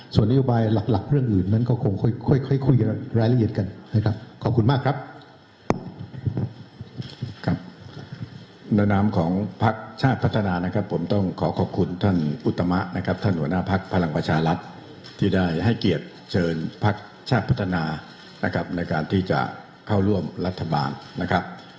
ส่วนนโยบายหลักหลักเรื่องอื่นมันก็คงค่อยค่อยค่อยคุยรายละเอียดกันนะครับ